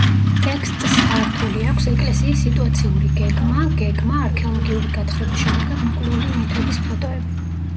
ტექსტს დართული აქვს ეკლესიის სიტუაციური გეგმა, გეგმა, არქეოლოგიური გათხრების შედეგად მიკვლეული ნივთების ფოტოები.